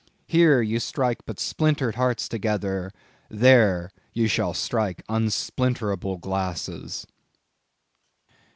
Here ye strike but splintered hearts together—there, ye shall strike unsplinterable glasses!